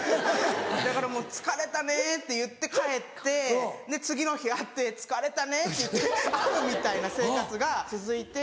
だからもう「疲れたね」って言って帰って次の日会って「疲れたね」って言って会うみたいな生活が続いて。